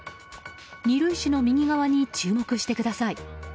２塁手の右側に注目してください。